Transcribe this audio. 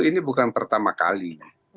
ini bukan pertama kali